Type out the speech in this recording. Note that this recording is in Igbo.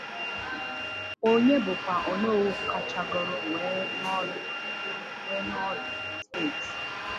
onye bụkwa Onowu kachagoro wee nọọ ọdụ na steeti Anambra